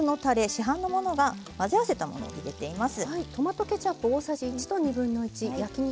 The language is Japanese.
市販のものが混ぜ合わせたものを入れています。